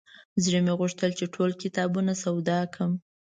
زړه مې غوښتل چې ټول کتابونه سودا کړم.